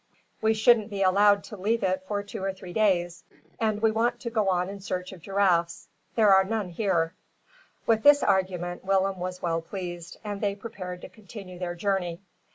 "We shouldn't be allowed to leave it for two or three days, and we want to go on in search of giraffes. There are none here." With this argument Willem was well pleased; and they prepared to continue their journey.